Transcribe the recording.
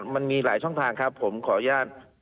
มันมีหลายช่องทางครับผมขออนุญาต